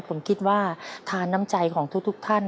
ผมคิดว่าทานน้ำใจของทุกท่าน